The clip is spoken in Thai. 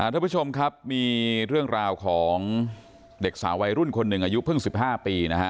ทุกผู้ชมครับมีเรื่องราวของเด็กสาววัยรุ่นคนหนึ่งอายุเพิ่ง๑๕ปีนะฮะ